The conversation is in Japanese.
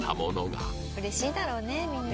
うれしいだろうねみんな。